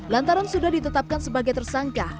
lantaran sudah ditetapkan sebagai tersangka